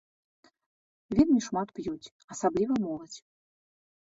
Вельмі шмат п'юць, асабліва моладзь.